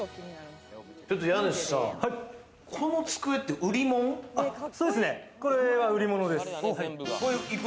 家主さん、この机って売りもこれは売り物です。